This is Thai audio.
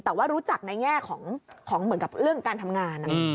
แต่ว่ารู้จักในแง่ของเหมือนกับเรื่องการทำงาน